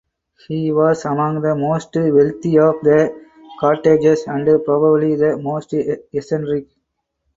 He was among the most wealthy of the cottagers and probably the most eccentric.